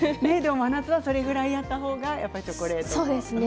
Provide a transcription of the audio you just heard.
真夏はそれぐらいやったほうがいいんですね。